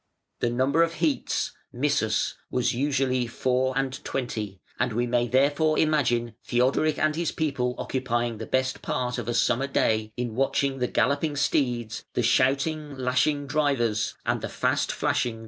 The number of heats (missus) was usually four and twenty, and we may therefore imagine Theodoric and his people occupying the best part of a summer day in watching the galloping steeds, the shouting, lashing drivers, and the fast flashing chariot wheels.